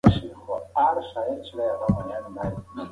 له محدودیت پرته میندواري ستونزمنه وي.